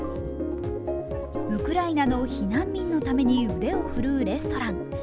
ウクライナの避難民のために腕を振るうレストラン。